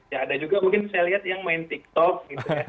ya ada juga mungkin saya lihat yang main tiktok gitu ya